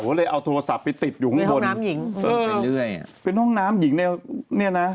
ก็เลยเอาโทรศัพท์ไปติดอยู่ข้างห้นเป็นห้องน้ำหญิงเป็นห้องน้ำหญิงเนี่ยนะ